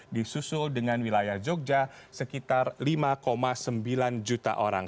disusul dengan wilayah jogja sekitar lima sembilan juta orang